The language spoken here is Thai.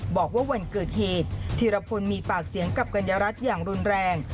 บอกว่าวันเกิดเหตุธีรพลมีปากเสียงกับกัญญารัฐอย่างรุนแรง